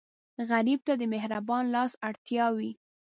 غریب ته د مهربان لاس اړتیا وي